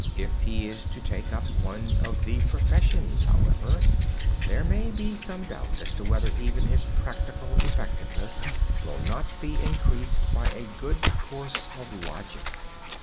If he is to take up one of the professions, however, there may be some doubt as to whether even his practical effectiveness will not be increased by a good course of logic.